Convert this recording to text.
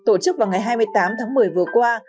tổ chức vào ngày hai mươi tám tháng một mươi vừa qua